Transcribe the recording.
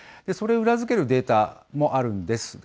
それを裏付けるデータもあるんです。